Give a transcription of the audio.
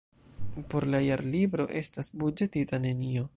Por la Jarlibro estas buĝetita nenio.